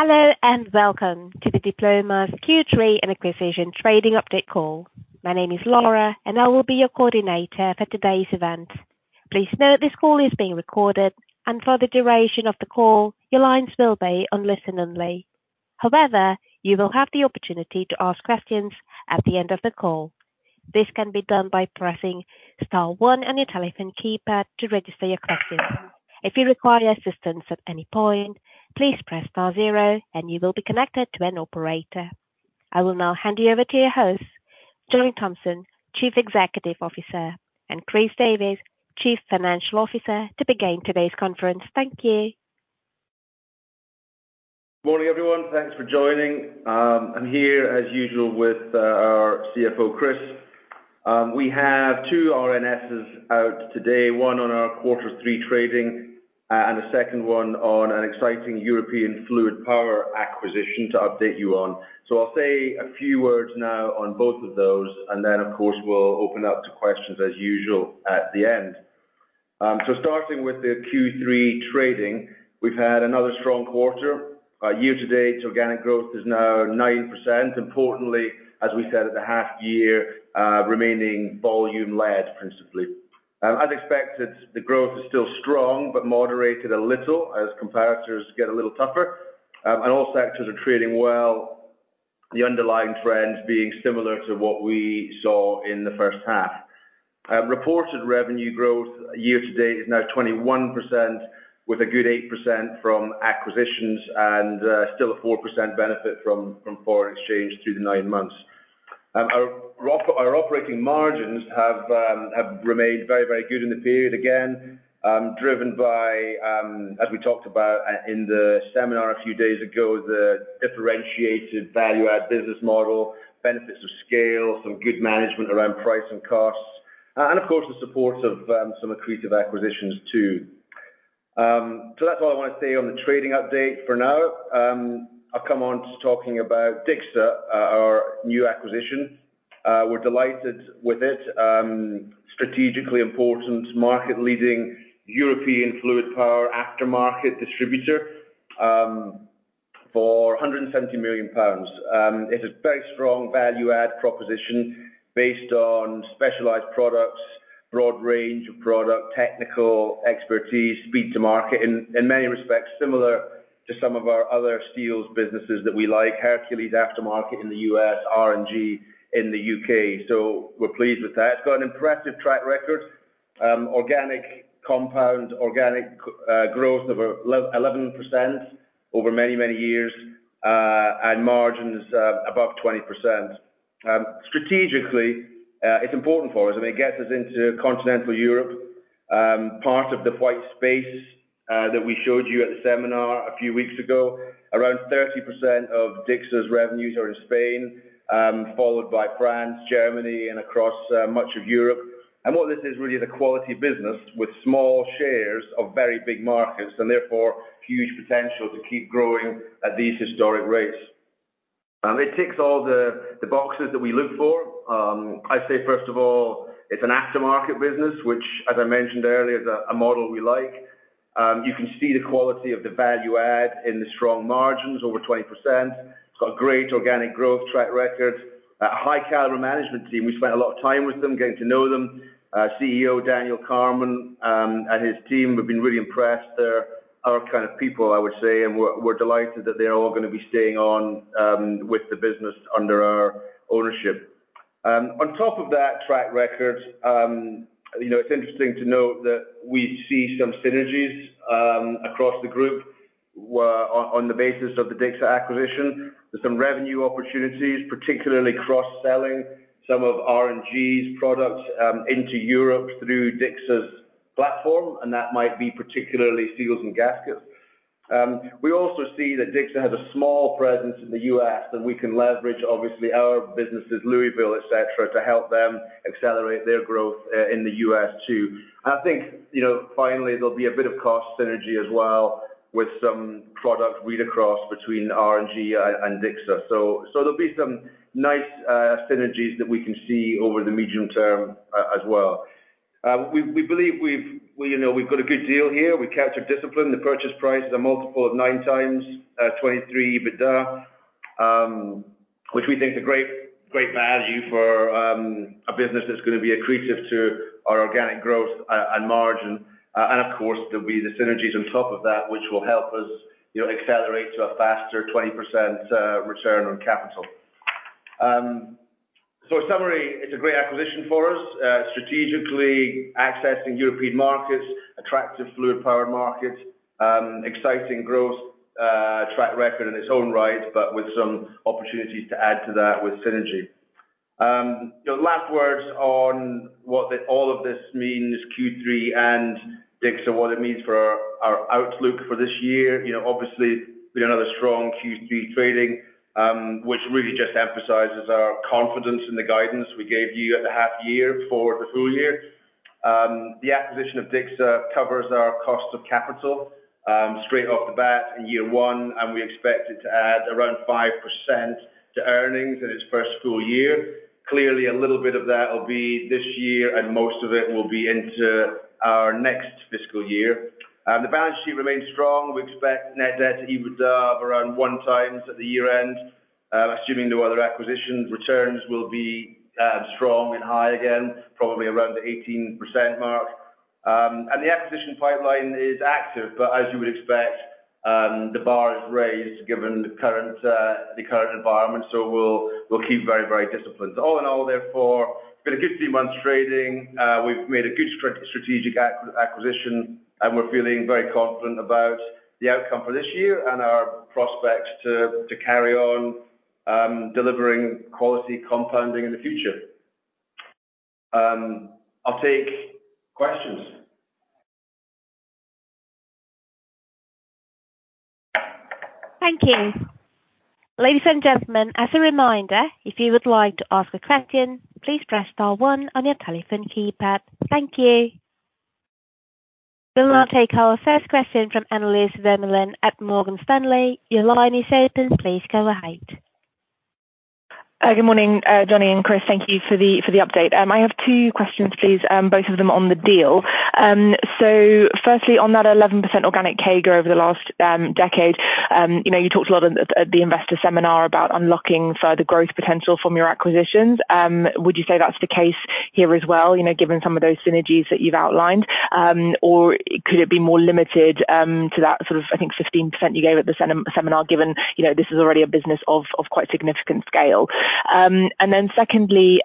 Hello, welcome to the Diploma's Q3 and Acquisition Trading Update call. My name is Laura, and I will be your coordinator for today's event. Please note, this call is being recorded, and for the duration of the call, your lines will be on listen only. You will have the opportunity to ask questions at the end of the call. This can be done by pressing star one on your telephone keypad to register your question. If you require assistance at any point, please press star zero, and you will be connected to an operator. I will now hand you over to your host, Johnny Thomson, Chief Executive Officer, and Chris Davies, Chief Financial Officer, to begin today's conference. Thank you. Morning, everyone. Thanks for joining. I'm here as usual with our CFO, Chris Davies. We have two RNSs out today, one on our quarter three trading, and a second one on an exciting European fluid power acquisition to update you on. I'll say a few words now on both of those, and then, of course, we'll open up to questions as usual at the end. Starting with the Q3 trading, we've had another strong quarter. Year-to-date, organic growth is now 9%. Importantly, as we said at the half year, remaining volume-led, principally. As expected, the growth is still strong but moderated a little as competitors get a little tougher. All sectors are trading well. The underlying trends being similar to what we saw in the first half. Reported revenue growth year-to-date is now 21%, with a good 8% from acquisitions and still a 4% benefit from foreign exchange through the 9 months. Our operating margins have remained very, very good in the period again, driven by, as we talked about in the seminar a few days ago, the differentiated value-add business model, benefits of scale, some good management around price and costs, and of course, the support of some accretive acquisitions, too. That's all I want to say on the trading update for now. I'll come on to talking about Dixa, our new acquisition. We're delighted with it. Strategically important, market-leading European fluid power aftermarket distributor, for 170 million pounds. It's a very strong value-add proposition based on specialized products, broad range of product, technical expertise, speed to market. In many respects, similar to some of our other Seals businesses that we like, Hercules Aftermarket in the U.S., R&G in the U.K. We're pleased with that. It's got an impressive track record, organic compound, organic growth of 11% over many, many years, and margins above 20%. Strategically, it's important for us, it gets us into continental Europe, part of the white space that we showed you at the seminar a few weeks ago. Around 30% of Dixa's revenues are in Spain, followed by France, Germany, and across much of Europe. What this is really the quality business with small shares of very big markets, and therefore huge potential to keep growing at these historic rates. It ticks all the boxes that we look for. I'd say, first of all, it's an aftermarket business, which, as I mentioned earlier, is a model we like. You can see the quality of the value add in the strong margins, over 20%. It's got a great organic growth track record, a high caliber management team. We spent a lot of time with them, getting to know them. Our CEO, Daniel Carman, and his team, we've been really impressed. They're our kind of people, I would say, and we're delighted that they're all gonna be staying on with the business under our ownership. On top of that track record, you know, it's interesting to note that we see some synergies across the group on the basis of the Dixa acquisition. There's some revenue opportunities, particularly cross-selling some of R&G's products into Europe through Dixa's platform. That might be particularly seals and gaskets. We also see that Dixa has a small presence in the U.S. that we can leverage, obviously, our businesses, Louisville, et cetera, to help them accelerate their growth in the U.S., too. I think, you know, finally, there'll be a bit of cost synergy as well, with some product read across between R&G and Dixa. There'll be some nice synergies that we can see over the medium term as well. We believe. Well, you know, we've got a good deal here. We captured discipline. The purchase price is a multiple of 9x 2023 EBITDA, which we think is a great value for a business that's gonna be accretive to our organic growth and margin. Of course, there'll be the synergies on top of that, which will help us, you know, accelerate to a faster 20% return on capital. In summary, it's a great acquisition for us, strategically accessing European markets, attractive fluid power markets, exciting growth track record in its own right, but with some opportunities to add to that with synergy. The last words on what the, all of this means, Q3 and Dixa, what it means for our outlook for this year. You know, obviously, we had another strong Q3 trading, which really just emphasizes our confidence in the guidance we gave you at the half year for the full year. The acquisition of Dixa covers our cost of capital, straight off the bat in year one, and we expect it to add around 5% to earnings in its first full year. Clearly, a little bit of that will be this year, and most of it will be into our next fiscal year. The balance sheet remains strong. We expect net debt to EBITDA of around 1x at the year-end, assuming no other acquisitions. Returns will be strong and high again, probably around the 18% mark. The acquisition pipeline is active, but as you would expect, the bar is raised given the current environment, so we'll keep very disciplined. All in all, therefore, been a good three months trading. We've made a good strategic acquisition, and we're feeling very confident about the outcome for this year and our prospects to carry on, delivering quality compounding in the future. I'll take questions. Thank you. Ladies and gentlemen, as a reminder, if you would like to ask a question, please press star one on your telephone keypad. Thank you. We will now take our first question from Annelies Vermeulen at Morgan Stanley. Your line is open. Please go ahead. Good morning, Johnny and Chris, thank you for the update. I have two questions, please, both of them on the deal. Firstly, on that 11% organic CAGR over the last decade, you know, you talked a lot at the investor seminar about unlocking further growth potential from your acquisitions. Would you say that's the case here as well, you know, given some of those synergies that you've outlined? Or could it be more limited to that sort of, I think, 15% you gave at the seminar, given, you know, this is already a business of quite significant scale. Secondly,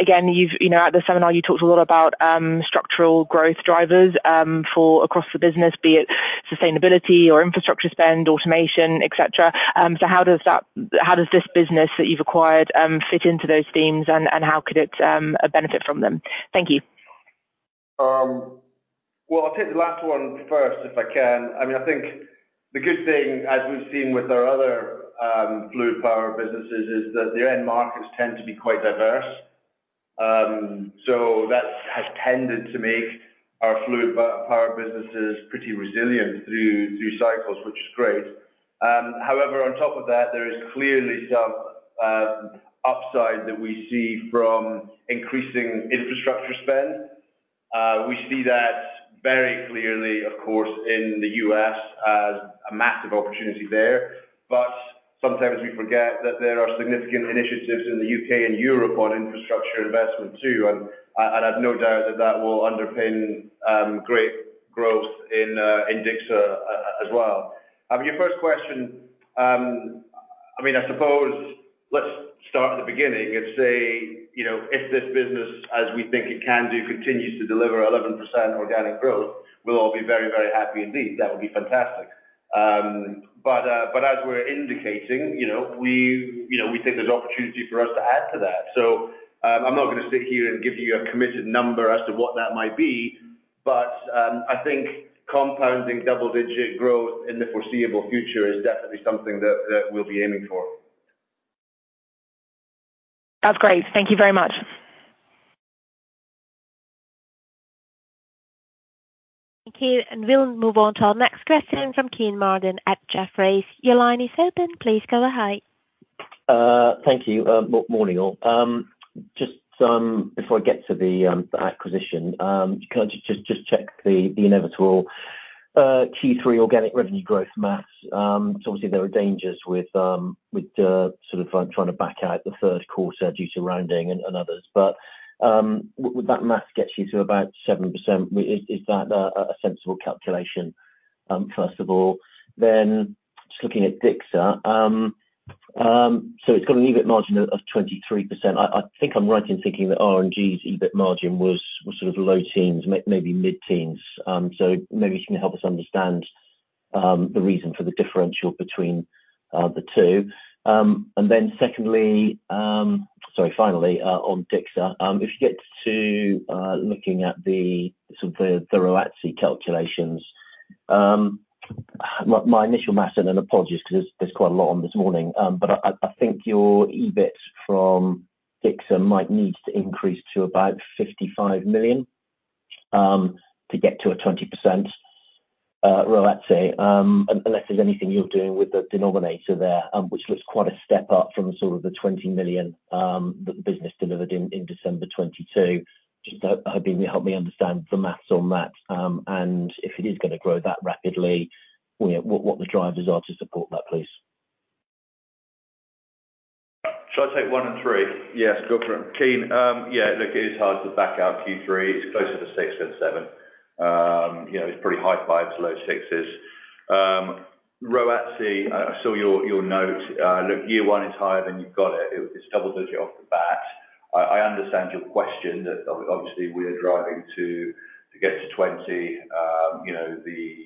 again, you've, you know, at the seminar you talked a lot about structural growth drivers for across the business, be it sustainability or infrastructure spend, automation, et cetera. How does this business that you've acquired fit into those themes, and how could it benefit from them? Thank you. Well, I'll take the last one first, if I can. I mean, I think the good thing, as we've seen with our other fluid power businesses, is that the end markets tend to be quite diverse. That has tended to make our fluid power businesses pretty resilient through cycles, which is great. On top of that, there is clearly some upside that we see from increasing infrastructure spend. We see that very clearly, of course, in the U.S., as a massive opportunity there. Sometimes we forget that there are significant initiatives in the U.K. and Europe on infrastructure investment, too, and I've no doubt that that will underpin great growth in DICSA as well. Your first question, I suppose let's start at the beginning and say, if this business, as we think it can do, continues to deliver 11% organic growth, we'll all be very, very happy indeed. That would be fantastic. As we're indicating, we think there's opportunity for us to add to that. I'm not going to sit here and give you a committed number as to what that might be, I think compounding double-digit growth in the foreseeable future is definitely something that we'll be aiming for. That's great. Thank you very much. Thank you, and we'll move on to our next question from Kean Marden at Jefferies. Your line is open. Please go ahead. Thank you. Morning, all. Just before I get to the acquisition, can I just check the inevitable Q3 organic revenue growth math? Obviously, there are dangers with the sort of trying to back out the third quarter due to rounding and others. With that math gets you to about 7%. Is that a sensible calculation, first of all? Then just looking at Dixa, so it's got an EBIT margin of 23%. I think I'm right in thinking that R&G's EBIT margin was sort of low teens, maybe mid-teens. Maybe you can help us understand the reason for the differential between the two. Secondly, Sorry, finally, on Dixa, if you get to looking at the sort of the ROACE calculations, my initial math, and apologies because there's quite a lot on this morning. I think your EBIT from Dixa might need to increase to about 55 million to get to a 20% ROACE, unless there's anything you're doing with the denominator there, which looks quite a step up from sort of the 20 million the business delivered in December 2022. Just helping me understand the math on that, and if it is gonna grow that rapidly, you know, what the drivers are to support that, please? Shall I take one and three? Yes, go for it, Kean. Yeah, look, it is hard to back out Q3. It's closer to six than seven. You know, it's pretty high 5s to low 6s. ROACE, I saw your note. Look, year 1 is higher, then you've got it. It's double digit off the bat. I understand your question, that obviously we are driving to get to 20. You know, the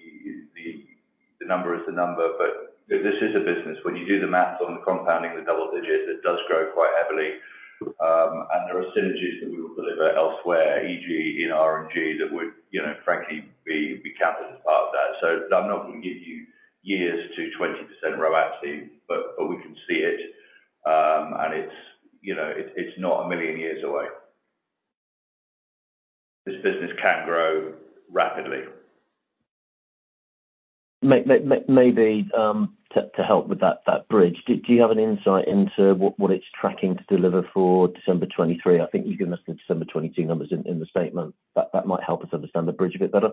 number is the number, but this is a business. When you do the math on the compounding, the double digits, it does grow quite heavily. There are synergies that we will deliver elsewhere, e.g., in R&G, that would, you know, frankly be counted as part of that. I'm not going to give you years to 20% ROACE, but we can see it. It's, you know, it's not a million years away. This business can grow rapidly. Maybe, to help with that bridge, Do you have an insight into what it's tracking to deliver for December 2023? I think you've given us the December 2022 numbers in the statement. That might help us understand the bridge a bit better.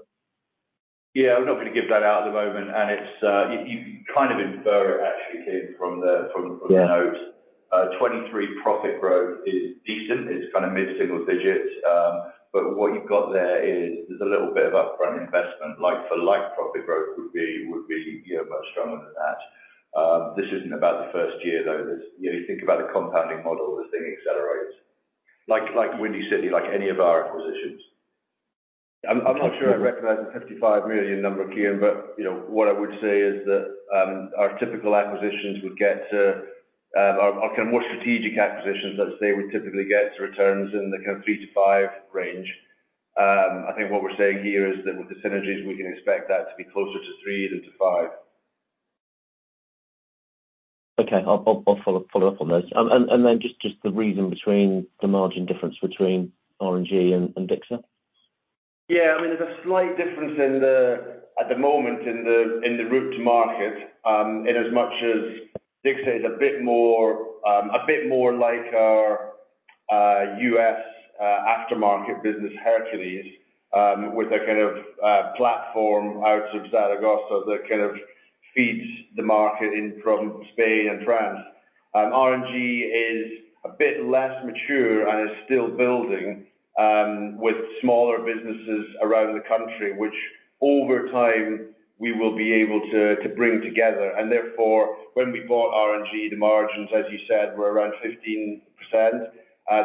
Yeah. I'm not going to give that out at the moment. It's you kind of infer it actually, Kean, from the notes. Yeah. 23 profit growth is decent. It's kind of mid-single digits. What you've got there is there's a little bit of upfront investment, like for like profit growth would be, you know, much stronger than that. This isn't about the first year, though. This, you know, you think about the compounding model as thing accelerates, like Windy City, like any of our acquisitions. I'm not sure I recognize the 55 million number, Kean, you know, what I would say is that our typical acquisitions would get to our kind of more strategic acquisitions, let's say, would typically get to returns in the kind of 3%-5% range. I think what we're saying here is that with the synergies, we can expect that to be closer to 3% than to 5%. Okay. I'll follow up on those. Then just the reason between the margin difference between R&G and Dixa? Yeah, I mean, there's a slight difference in the, at the moment, in the, in the route to market, in as much as Dixa is a bit more, a bit more like our, U.S., Aftermarket business, Hercules, with a kind of, platform out of Zaragoza that kind of feeds the market in from Spain and France. R&G is a bit less mature and is still building, with smaller businesses around the country, which over time we will be able to bring together. Therefore, when we bought R&G, the margins, as you said, were around 15%.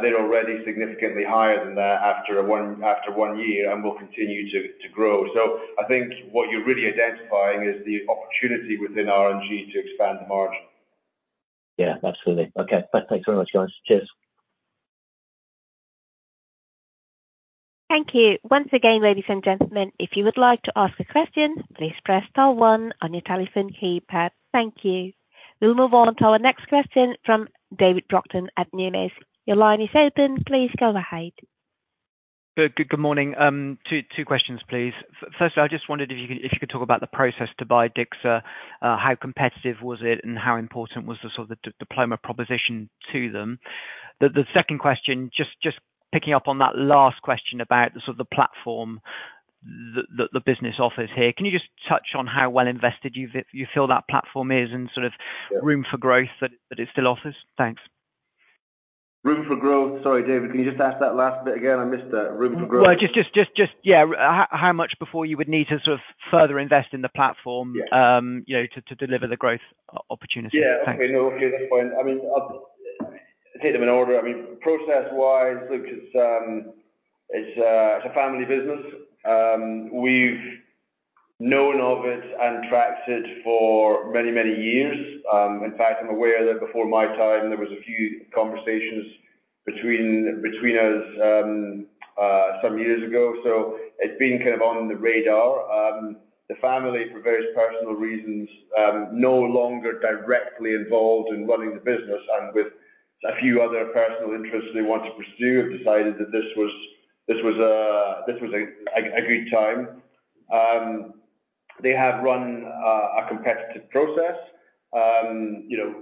They're already significantly higher than that after one year and will continue to grow. I think what you're really identifying is the opportunity within R&G to expand the margin. Yeah, absolutely. Okay. Thanks very much, guys. Cheers. Thank you. Once again, ladies and gentlemen, if you would like to ask a question, please press star one on your telephone keypad. Thank you. We'll move on to our next question from David Brockton at Numis. Your line is open. Please go ahead. Good morning. Two questions, please. Firstly, I just wondered if you could talk about the process to buy Dixa, how competitive was it, and how important was the sort of the Diploma proposition to them? The second question, just picking up on that last question about the sort of the platform that the business offers here. Can you just touch on how well invested you feel that platform is? Yeah Room for growth that it still offers? Thanks. Room for growth. Sorry, David, can you just ask that last bit again? I missed that. Room for growth. Well, just, yeah, how much before you would need to sort of further invest in the platform? Yeah You know, to deliver the growth opportunity? Yeah. Thanks. Okay, no, okay, fine. I mean, I'll take them in order. I mean, process-wise, look, it's a family business. We've known of it and tracked it for many years. In fact, I'm aware that before my time, there was a few conversations between us some years ago, so it's been kind of on the radar. The family, for various personal reasons, no longer directly involved in running the business and with a few other personal interests they want to pursue, have decided that this was a great time. They have run a competitive process. You know,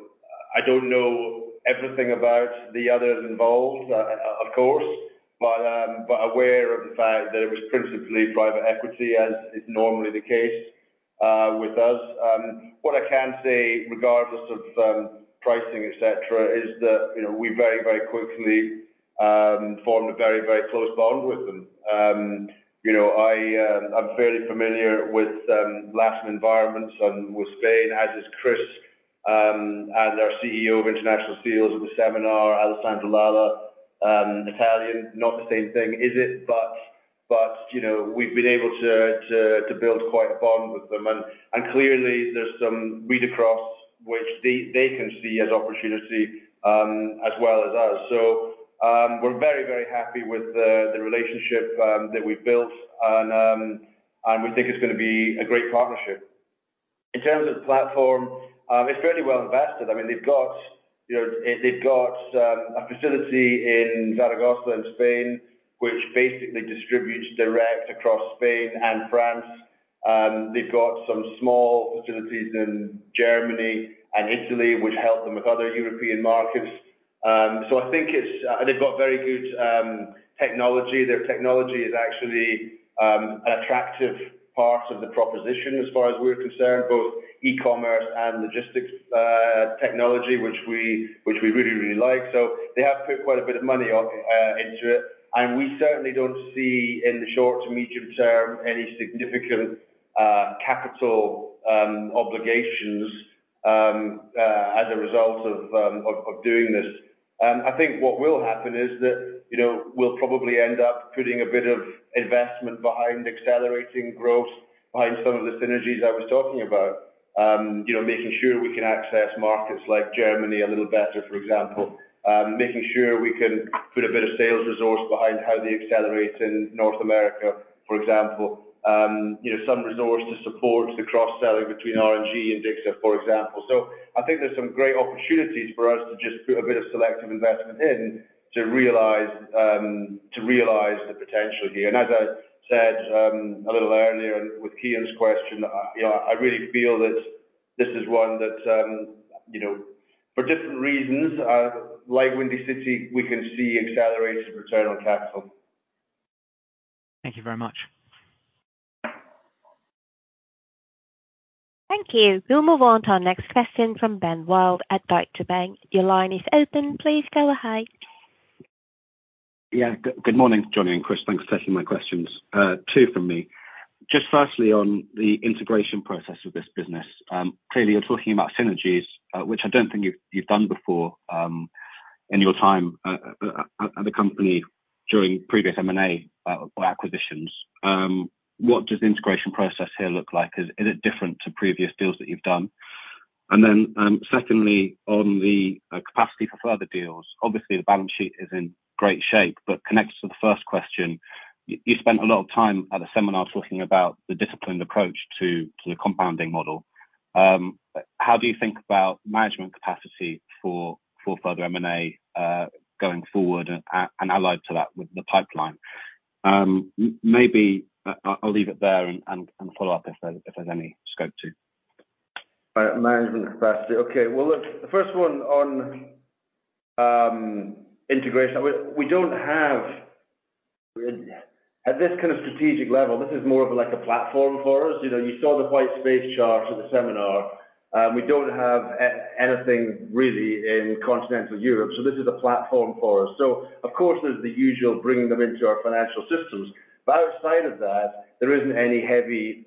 I don't know everything about the others involved, of course, but aware of the fact that it was principally private equity, as is normally the case with us. What I can say, regardless of pricing, et cetera, is that, you know, we very, very quickly formed a very, very close bond with them. You know, I'm fairly familiar with Latin environments and with Spain, as is Chris Davies, and our CEO of International Seals of the seminar, Alessandro Lala, Italian, not the same thing, is it? You know, we've been able to build quite a bond with them, and clearly there's some read across which they can see as opportunity, as well as us. We're very, very happy with the relationship that we've built, and we think it's gonna be a great partnership. In terms of the platform, it's fairly well invested. I mean, they've got, you know, they've got a facility in Zaragoza, in Spain, which basically distributes direct across Spain and France. They've got some small facilities in Germany and Italy, which help them with other European markets. I think it's... They've got very good technology. Their technology is actually an attractive part of the proposition as far as we're concerned, both e-commerce and logistics technology, which we really, really like. They have put quite a bit of money into it, and we certainly don't see in the short to medium term any significant capital obligations as a result of doing this. I think what will happen is that, you know, we'll probably end up putting a bit of investment behind accelerating growth, behind some of the synergies I was talking about. You know, making sure we can access markets like Germany a little better, for example, making sure we can put a bit of sales resource behind how they accelerate in North America, for example. You know, some resource to support the cross-selling between R&G and Dixa, for example. I think there's some great opportunities for us to just put a bit of selective investment in to realize, to realize the potential here. As I said, a little earlier on with Kean's question, you know, I really feel that this is one that, you know, for different reasons, like Windy City, we can see accelerated return on capital. Thank you very much. Thank you. We'll move on to our next question from Ben Wild at Deutsche Bank. Your line is open. Please go ahead. Good morning, Johnny and Chris. Thanks for taking my questions. Two from me. Just firstly, on the integration process of this business, clearly you're talking about synergies, which I don't think you've done before, in your time at the company during previous M&A or acquisitions. What does the integration process here look like? Is it different to previous deals that you've done? Secondly, on the capacity for further deals, obviously, the balance sheet is in great shape, but connected to the first question, you spent a lot of time at a seminar talking about the disciplined approach to the compounding model. How do you think about management capacity for further M&A going forward, and allied to that with the pipeline? Maybe I'll leave it there and follow up if there's any scope to. Management capacity. Okay, well, look, the first one on integration. At this kind of strategic level, this is more of like a platform for us. You know, you saw the white space chart at the seminar. We don't have anything really in continental Europe, so this is a platform for us. Of course, there's the usual bringing them into our financial systems. Outside of that, there isn't any heavy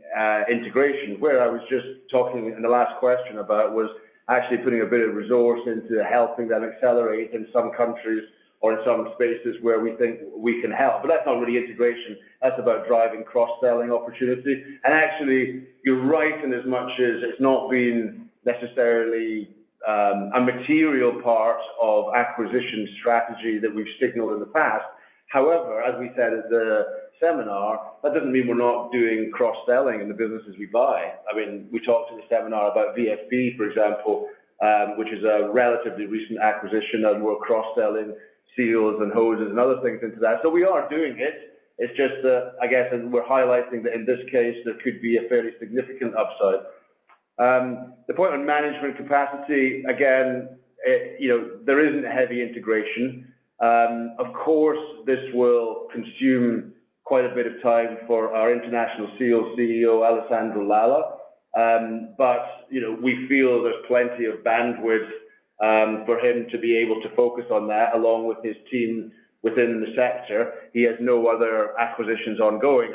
integration. Where I was just talking in the last question about, was actually putting a bit of resource into helping them accelerate in some countries or in some spaces where we think we can help. That's not really integration, that's about driving cross-selling opportunity. Actually, you're right, in as much as it's not been necessarily a material part of acquisition strategy that we've signaled in the past. As we said at the seminar, that doesn't mean we're not doing cross-selling in the businesses we buy. I mean, we talked in the seminar about VSP, for example, which is a relatively recent acquisition, and we're cross-selling seals and hoses and other things into that. We are doing it. It's just that, I guess, and we're highlighting that in this case, there could be a fairly significant upside. The point on management capacity, again, you know, there isn't heavy integration. Of course, this will consume quite a bit of time for our International CEO Alessandro Lala. You know, we feel there's plenty of bandwidth for him to be able to focus on that, along with his team within the sector. He has no other acquisitions ongoing.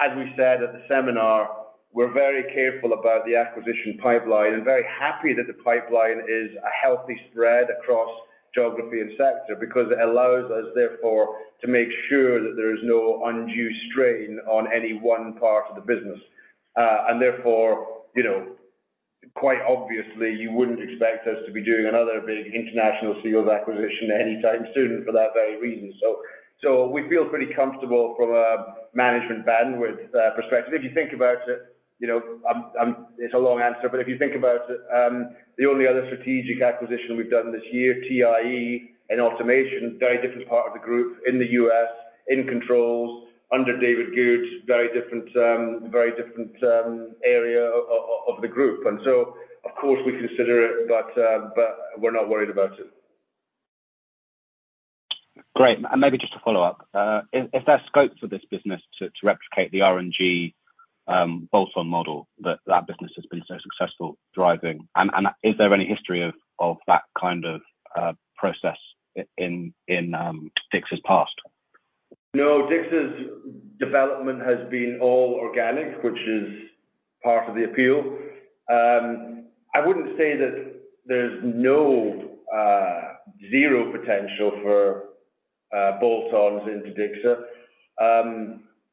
As we said at the seminar, we're very careful about the acquisition pipeline and very happy that the pipeline is a healthy spread across geography and sector, because it allows us, therefore, to make sure that there is no undue strain on any one part of the business. Therefore, you know, quite obviously, you wouldn't expect us to be doing another big international CEO acquisition anytime soon for that very reason. So we feel pretty comfortable from a management bandwidth perspective. If you think about it, you know, it's a long answer, but if you think about it, the only other strategic acquisition we've done this year, TIE and Automation, very different part of the group in the U.S., in controls under David Goode, very different, very different area of the group. Of course, we consider it, but we're not worried about it. Great. Maybe just to follow up, is there scope for this business to replicate the R&G bolt-on model that business has been so successful driving? Is there any history of that kind of process in Dixa's past? No, Dixa's development has been all organic, which is part of the appeal. I wouldn't say that there's no zero potential for bolt-ons into Dixa.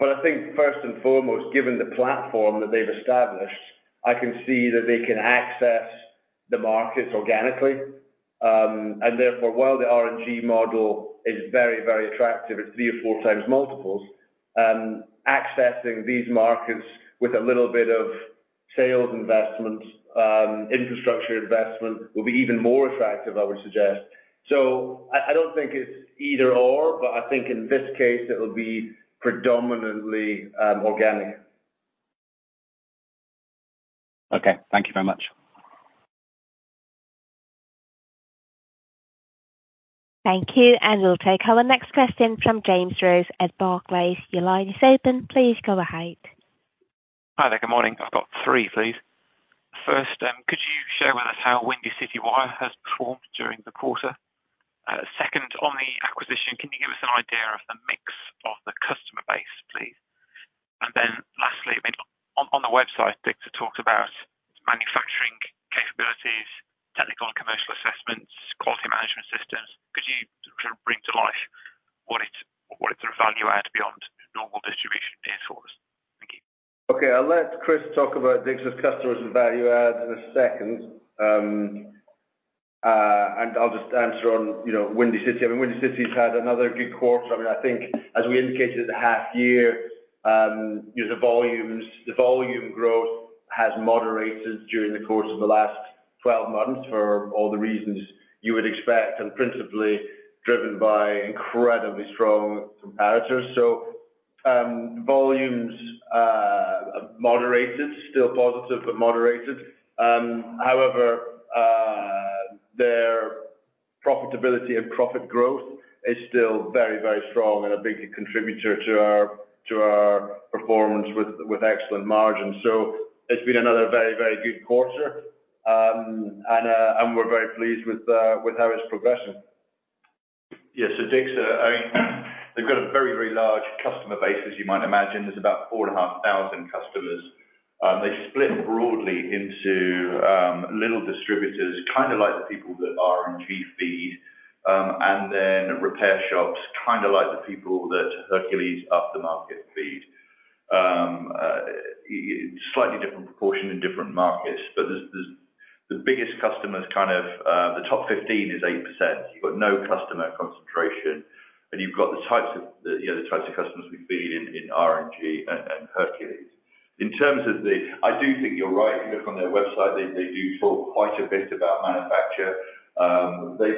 I think first and foremost, given the platform that they've established, I can see that they can access the markets organically. Therefore, while the R&G model is very, very attractive, it's three or four times multiples, accessing these markets with a little bit of sales investments, infrastructure investment will be even more attractive, I would suggest. I don't think it's either or, I think in this case it will be predominantly organic. Okay, thank you very much. Thank you. We'll take our next question from James Rose at Barclays. Your line is open. Please go ahead. Hi there. Good morning. I've got three, please. First, could you share with us how Windy City Wire has performed during the quarter? Second, on the acquisition, can you give us an idea of the mix of the customer base, please? Lastly, I mean, on the website, Dixa talked about manufacturing capabilities, technical and commercial assessments, quality management systems. Could you sort of bring to life what it sort of value add beyond normal distribution dinosaurs? Thank you. Okay, I'll let Chris talk about Dixa's customers and value add in a second. I'll just answer on, you know, Windy City. I mean, Windy City has had another good quarter. I mean, I think as we indicated at the half year, you know, the volumes, the volume growth has moderated during the course of the last 12 months for all the reasons you would expect, and principally driven by incredibly strong competitors. Volumes moderated, still positive, but moderated. However, their profitability and profit growth is still very, very strong and a big contributor to our performance with excellent margins. It's been another very, very good quarter. We're very pleased with how it's progressing. Dixa, I mean, they've got a very, very large customer base, as you might imagine. There's about 4,500 customers. They split broadly into little distributors, kind of like the people that R&G feed, and then repair shops, kind of like the people that Hercules Aftermarket feed. Slightly different proportion in different markets, but the biggest customers, kind of, the top 15 is 8%. You've got no customer concentration, and you've got the types of, you know, the types of customers we feed in R&G and Hercules. In terms of I do think you're right. If you look on their website, they do talk quite a bit about manufacture.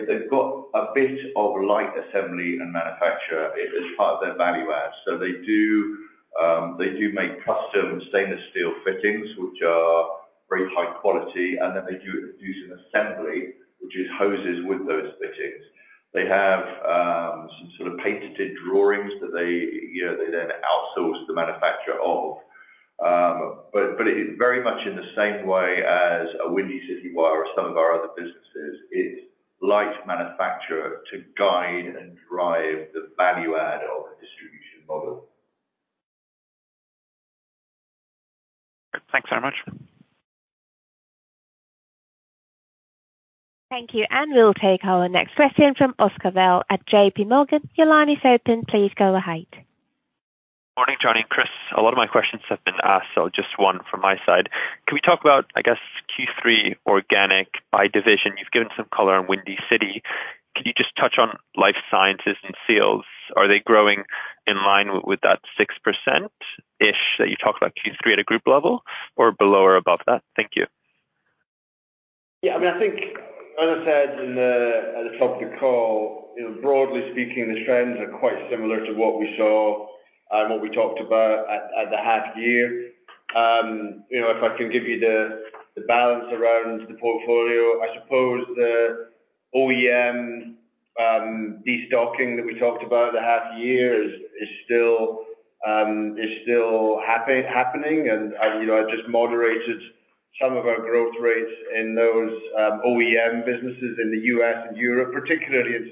They've got a bit of light assembly and manufacture as part of their value add. They do make custom stainless steel fittings, which are very high quality, and then they do some assembly, which is hoses with those fittings. They have, some sort of patented drawings that they, you know, they then outsource the manufacture of. It is very much in the same way as a Windy City Wire or some of our other businesses. It's light manufacturer to guide and drive the value add of a distribution model. Thanks very much. Thank you. We'll take our next question from Oscar Val at JPMorgan. Your line is open. Please go ahead. Morning, Johnny Thomson and Chris Davies. A lot of my questions have been asked. Just one from my side. Can we talk about, I guess Q3 organic by division? You've given some color on Windy City Wire. Can you just touch on life sciences and seals? Are they growing in line with that 6%-ish that you talked about Q3 at a group level, or below or above that? Thank you. Yeah, I mean, I think, as I said in the, at the top of the call, you know, broadly speaking, the trends are quite similar to what we saw and what we talked about at the half year. You know, if I can give you the balance around the portfolio, I suppose the OEM destocking that we talked about at the half year is still happening. You know, it just moderated some of our growth rates in those OEM businesses in the U.S. and Europe, particularly in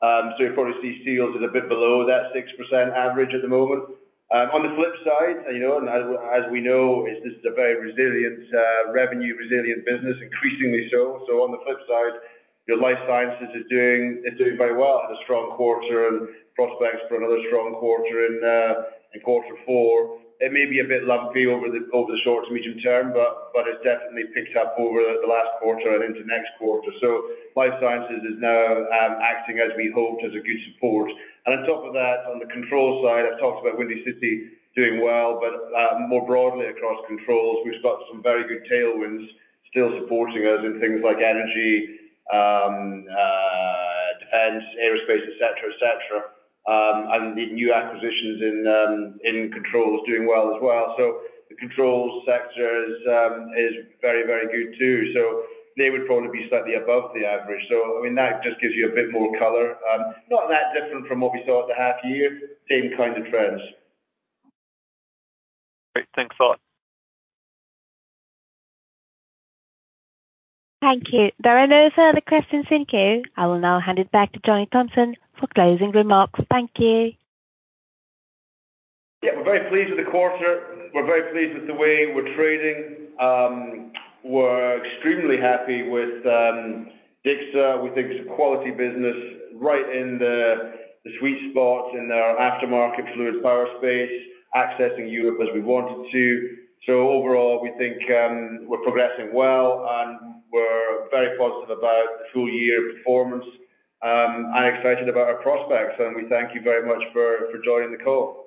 seals. You probably see seals is a bit below that 6% average at the moment. On the flip side, you know, as we know, this is a very resilient revenue resilient business, increasingly so. On the flip side, your life sciences is doing very well. Had a strong quarter and prospects for another strong quarter in quarter 4. It may be a bit lumpy over the short to medium term, but it's definitely picked up over the last quarter and into next quarter. Life sciences is now acting as we hoped as a good support. On top of that, on the control side, I've talked about Windy City doing well, but more broadly across controls, we've got some very good tailwinds still supporting us in things like energy, defense, aerospace, et cetera, et cetera. The new acquisitions in controls doing well as well. The controls sector is very, very good too, so they would probably be slightly above the average. I mean, that just gives you a bit more color. Not that different from what we saw at the half year. Same kinds of trends. Great. Thanks a lot. Thank you. There are no further questions in queue. I will now hand it back to Johnny Thomson for closing remarks. Thank you. Yeah, we're very pleased with the quarter. We're very pleased with the way we're trading. We're extremely happy with Dixa. We think it's a quality business right in the sweet spot in our aftermarket fluid power space, accessing Europe as we wanted to. Overall, we think we're progressing well, and we're very positive about the full year performance, and excited about our prospects, and we thank you very much for joining the call.